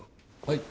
はい。